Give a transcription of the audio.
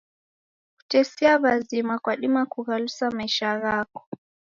Kutesia w'azima kwadima kughalusa maisha ghaw'o.